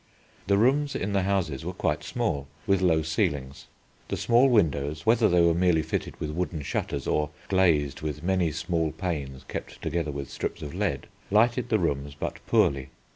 The rooms in the houses were quite small, with low ceilings. The small windows, whether they were merely fitted with wooden shutters or glazed with many small panes kept together with strips of lead, lighted the rooms but poorly.